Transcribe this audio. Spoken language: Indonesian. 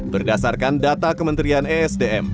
berdasarkan data kementerian esdm